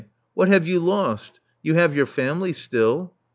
What have you lost? You have your family still."